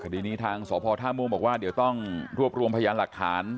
คดีนี้ทางสพท่าม่วงบอกว่าเดี๋ยวต้องรวบรวมพยานหลักฐาน